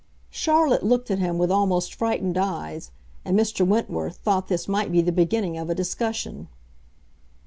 Charlotte looked at him with almost frightened eyes; and Mr. Wentworth thought this might be the beginning of a discussion.